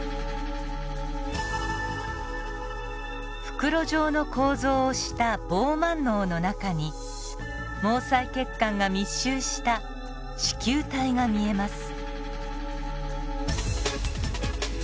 袋状の構造をしたボーマンのうの中に毛細血管が密集した糸球体が見えます。